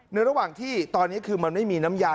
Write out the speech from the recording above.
ระหว่างที่ตอนนี้คือมันไม่มีน้ำยา